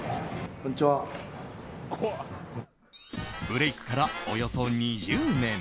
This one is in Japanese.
ブレークからおよそ２０年。